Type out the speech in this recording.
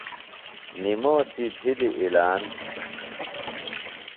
نِموسی بِھلیۡ اعلان